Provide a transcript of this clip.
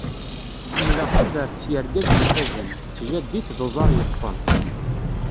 Ḥemmleɣ tudert s yergazen ifazen, d tjaddit d uẓar yeṭṭfen.